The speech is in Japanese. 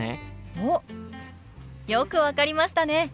おっよく分かりましたね！